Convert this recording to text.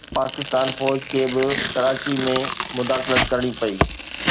پاڪستان فوج کي به ڪراچي ۾ مداخلت ڪرڻي پئي